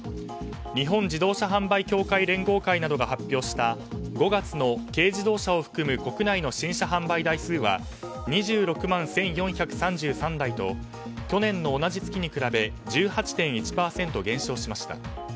日本自動車販売協会連合会などが発表した５月の軽自動車を含む国内の新車販売台数は２６万１４３３台と去年の同じ月に比べ１８．１％減少しました。